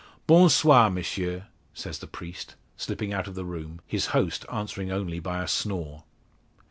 "Bon soir, Monsieur!" says the priest, slipping out of the room, his host answering only by a snore.